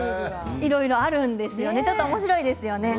いろいろあるんですよねちょっとおもしろいですよね。